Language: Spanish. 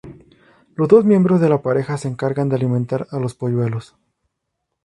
Los dos miembros de la pareja se encargan de alimentar a los polluelos.